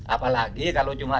apalagi kalau cuma